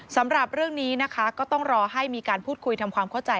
สำหรับเรื่องนี้นะคะก็ต้องรอให้มีการพูดคุยทำความเข้าใจ